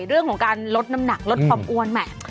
เรื่องของการลดน้ำหนักลดความอ้วนแหม